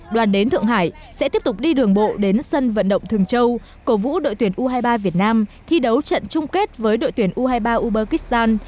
đoàn đến thượng hải sẽ tiếp tục đi đường bộ đến sân vận động thường châu cổ vũ đội tuyển u hai mươi ba việt nam thi đấu trận chung kết với đội tuyển u hai mươi ba ubergyzstan